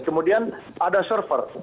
kemudian ada server